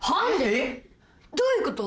えっ？どういうこと？